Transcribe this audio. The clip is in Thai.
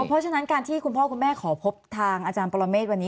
เพราะฉะนั้นการที่คุณพ่อคุณแม่ขอพบทางอาจารย์ปรเมฆวันนี้